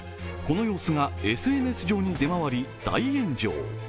この様子がＳＮＳ上に出回り大炎上。